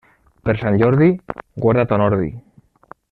Per Sant Jordi, guarda ton ordi.